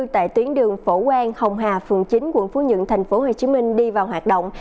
tại tuyến đường phổ quang hồng hà phường chín quận phú nhuận tp hcm đi vào hoạt động